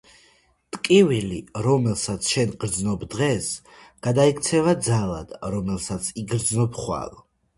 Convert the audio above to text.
ტკივილი, რომელსაც შენ გრძნობ დღეს, გადაიქცევა ძალად, რომელსაც იგრძნობ ხვალ.